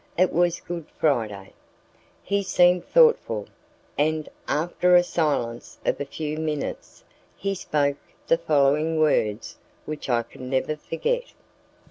It was Good Friday. He seemed thoughtful, and, after a silence of a few minutes, he spoke the following words, which I can never forget: "M.